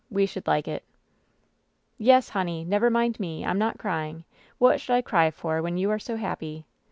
We should like it/' "Yes, honey! Never mind me! I'm not crying! What should I cry for, when you are so happy